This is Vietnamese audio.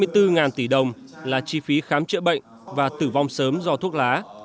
hai mươi bốn tỷ đồng là chi phí khám chữa bệnh và tử vong sớm do thuốc lá